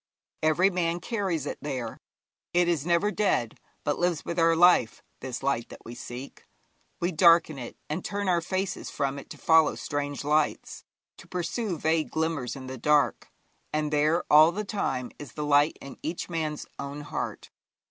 Every man carries it there. It is never dead, but lives with our life, this light that we seek. We darken it, and turn our faces from it to follow strange lights, to pursue vague glimmers in the dark, and there, all the time, is the light in each man's own heart.